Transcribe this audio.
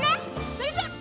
それじゃあ。